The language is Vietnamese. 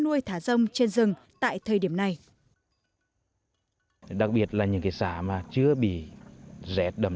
nuôi thả rông trên rừng tại thời điểm này đặc biệt là những cái xã mà chưa bị rét đậm